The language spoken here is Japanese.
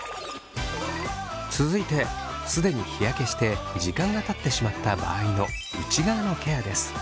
続いて既に日焼けして時間がたってしまった場合の内側のケアです。